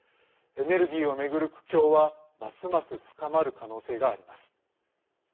エネルギーを巡る苦境はますます深まる可能性があります。